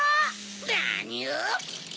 なにを！